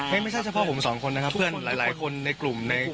ไม่ใช่เฉพาะผมสองคนนะครับเพื่อนหลายคนในกลุ่ม